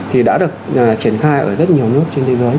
thì đã được triển khai ở rất nhiều nước trên thế giới